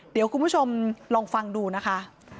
เดี๋ยวคุณผู้ชมลองฟังดูนะคะ